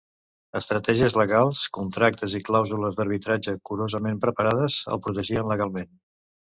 Estratègies legals, contractes i clàusules d'arbitratge curosament preparades el protegirien legalment.